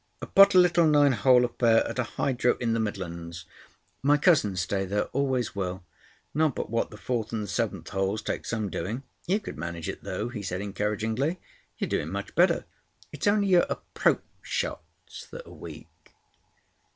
"A potty little nine hole affair at a hydro in the Midlands. My cousins stay there. Always will. Not but what the fourth and the seventh holes take some doing. You could manage it, though," he said encouragingly. "You're doing much better. It's only your approach shots that are weak."